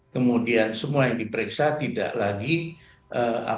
kemudian semua yang diperiksa tidak lagi terpengaruh dengan kondisi ketika ketika itu ada perubahan